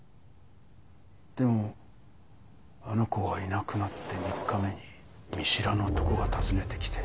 でもあの子がいなくなって３日目に見知らぬ男が訪ねてきて。